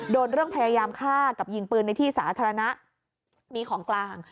โดนเรื่องพยายามฆ่ากับยิงปืนในที่สาธารณะมีของกลาง